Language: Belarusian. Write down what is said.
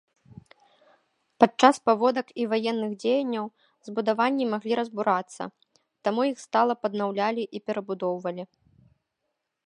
Падчас паводак і ваенных дзеянняў збудаванні маглі разбурацца, таму іх стала паднаўлялі і перабудоўвалі.